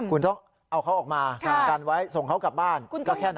คุณต้องเอาเขาออกมากันไว้ส่งเขากลับบ้านก็แค่นั้น